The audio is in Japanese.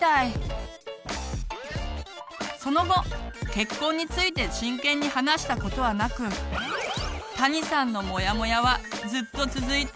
その後結婚について真剣に話したことはなくたにさんのモヤモヤはずっと続いているんだそう。